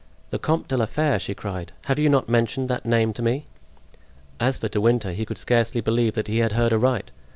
"The Comte de la Fere!" she cried. "Have you not mentioned that name to me?" As for De Winter he could scarcely believe that he had heard aright.